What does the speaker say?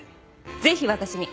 ぜひ私に！